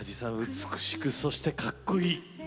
美しくそしてかっこいい！